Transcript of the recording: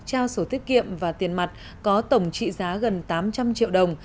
trao sổ tiết kiệm và tiền mặt có tổng trị giá gần tám trăm linh triệu đồng